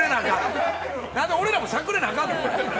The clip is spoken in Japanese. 俺らもしゃくれなあかんの？